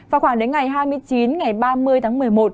vào khoảng đến ngày hai mươi chín ngày ba mươi tháng một mươi một